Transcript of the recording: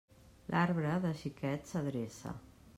L'arbre, de xiquet s'adreça.